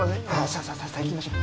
さあさあ行きましょう。